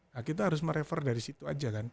nah kita harus merefer dari situ aja kan